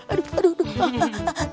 aduh aduh aduh